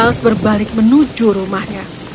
giles berbalik menuju rumahnya